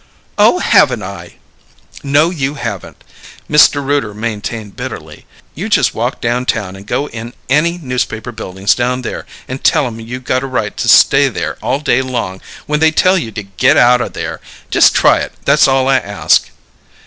"Oh, haven't I?" "No, you 'haven't I'!" Mr. Rooter maintained bitterly. "You just walk down town and go in any Newspaper Buildings down there and tell 'em you got a right to stay there all day long when they tell you to get out o' there! Just try it! That's all I ask!"